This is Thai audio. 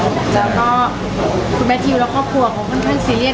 แล้วก็คุณแมททิวและครอบครัวเขาค่อนข้างซีเรียส